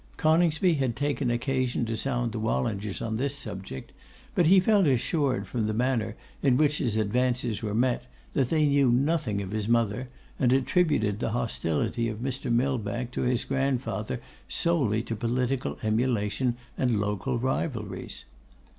Coningsby had taken occasion to sound the Wallingers on this subject; but he felt assured, from the manner in which his advances were met, that they knew nothing of his mother, and attributed the hostility of Mr. Millbank to his grandfather, solely to political emulation and local rivalries.